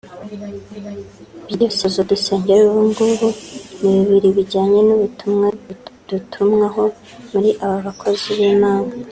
Ibyifuzo dusengera ubu ngubu ni bibiri bijyanye n’ubutumwa dutumwaho muri aba bakozi b’Imana